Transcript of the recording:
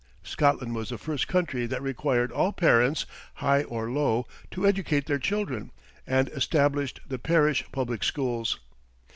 Scotland was the first country that required all parents, high or low, to educate their children, and established the parish public schools.